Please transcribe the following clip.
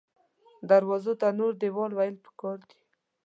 دروازو ته نور دیوال ویل پکار دې